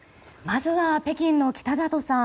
まずは北京の北里さん